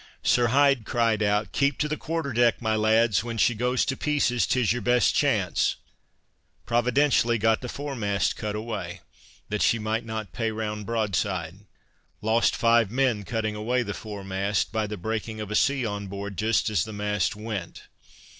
Sir Hyde cried out: "Keep to the quarter deck, my lads, when she goes to pieces, 't is your best chance!" Providentially got the foremast cut away, that she might not pay round broad side. Lost five men cutting away the foremast, by the breaking of a sea on board just as the mast went.